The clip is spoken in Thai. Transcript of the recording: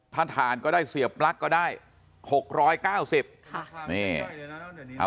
ถ้าทานก็ได้เสียปลั๊กก็ได้๖๙๐ค่ะ